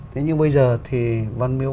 thế nhưng bây giờ thì văn miếu